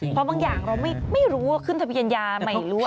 เพราะบางอย่างเราไม่รู้ว่าขึ้นทะเบียนยาไม่รู้